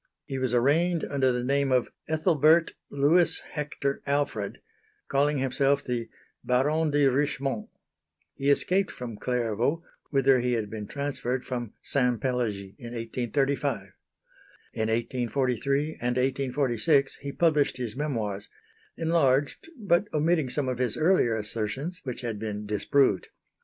He was arraigned under the name of "Ethelbert Louis Hector Alfred," calling himself the "Baron de Richmont." He escaped from Clairvaux, whither he had been transferred from Saint Pélagie, in 1835. In 1843 and 1846 he published his memoirs enlarged but omitting some of his earlier assertions, which had been disproved.